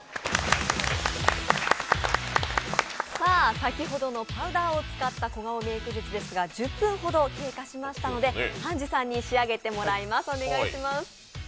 先ほどのパウダーを使った小顔メーク術ですが１０分ほど経過しましたので、ｈａｎｊｅｅさんに仕上げてもらいます。